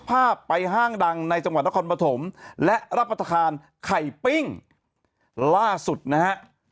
ภาพไปห้างดังในจังหวัดนครปฐมและรับประทานไข่ปิ้งล่าสุดนะฮะ